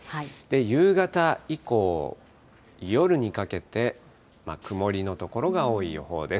夕方以降、夜にかけて、曇りの所が多い予報です。